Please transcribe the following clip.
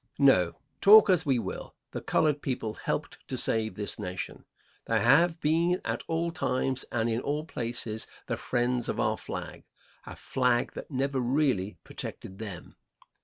No, talk as we will, the colored people helped to save this Nation. They have been at all times and in all places the friends of our flag; a flag that never really protected them.